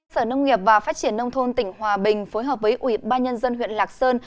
sở nông nghiệp và phát triển nông thôn tỉnh hòa bình phối hợp với ủy ban nhân dân huyện lạc sơn